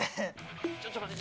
ちょっと待って。